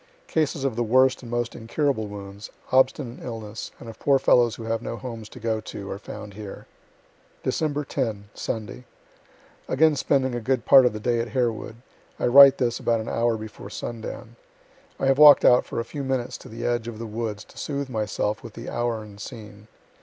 Cases of the worst and most incurable wounds, obstinate illness, and of poor fellows who have no homes to go to, are found here. Dec. 10 Sunday Again spending a good part of the day at Harewood. I write this about an hour before sundown. I have walk'd out for a few minutes to the edge of the woods to soothe myself with the hour and scene.